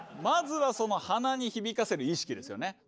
まずはその鼻に響かせる意識ですよね。